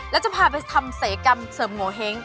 แล้วจะพาไปทำศัยกรรมเสริมโงเห้ง